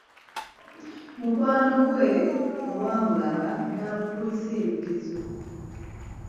Mukwano gwe olwamulaba n'amukulisa ebigezo.